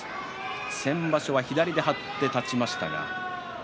先場所は左で張って立ちました。